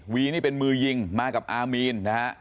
ีนี่เป็นมือยิงมากับอามีนนะฮะ